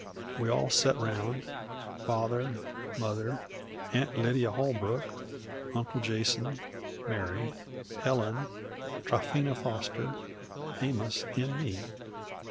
We all set round, Father, Mother, Aunt Lydia Holbrook, Uncle Jason, Mary, Helen, Tryphena Foster, Amos, and me.